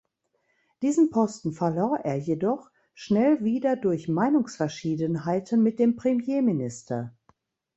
Diesen Posten verlor er jedoch schnell wieder durch Meinungsverschiedenheiten mit dem Premierminister.